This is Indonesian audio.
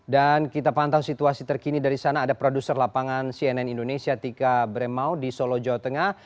dan kita pantau situasi terkini dari sana ada produser lapangan cnn indonesia tika bremau di solo jawa tengah